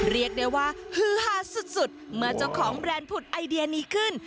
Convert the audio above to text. เรียกได้ว่าฮือฮาสุดเมื่อเจ้าของแบรนด์ผุดไอเดียนี้ขึ้น